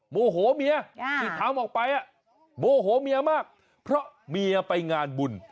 โมโหเมียที่ทำออกไปโมโหเมียมากเพราะเมียไปงานบุญ